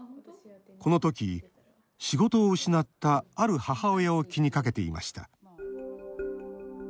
このとき、仕事を失ったある母親を気にかけていました